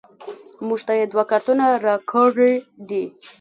موږ ته دوه کارتونه راکړیدي